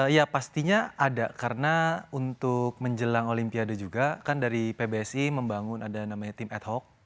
ya pastinya ada karena untuk menjelang olimpiade juga kan dari pbsi membangun ada namanya tim ad hoc